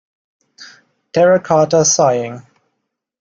Terracotta Sighing.